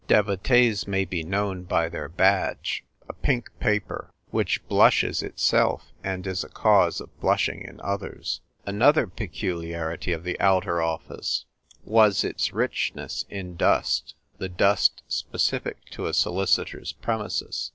Devotees may be known by their badge, a pink paper, which blushes itself, and is a cause of blushing in others. Another peculiarity of the Outer Office was 1 •:iNVIRONMENT WINS. 33 its richness in dust — the dust specific to a solicitor's premises.